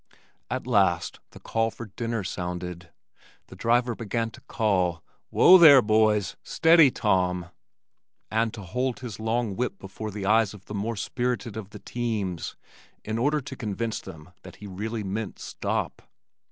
At last the call for dinner sounded. The driver began to call, "Whoa there, boys! Steady, Tom," and to hold his long whip before the eyes of the more spirited of the teams in order to convince them that he really meant "stop."